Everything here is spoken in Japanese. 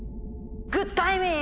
「グッタイミング！」。